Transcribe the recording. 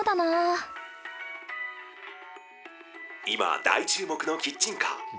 「今大注目のキッチンカー！